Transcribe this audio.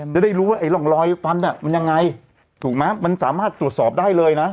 จะได้รู้ว่าไอ้ร่องรอยฟันมันยังไงถูกไหมมันสามารถตรวจสอบได้เลยนะ